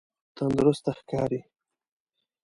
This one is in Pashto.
تندرسته ښکاری؟